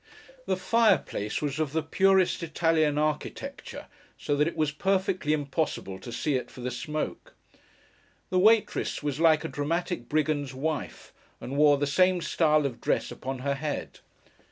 The fireplace was of the purest Italian architecture, so that it was perfectly impossible to see it for the smoke. The waitress was like a dramatic brigand's wife, and wore the same style of dress upon her head.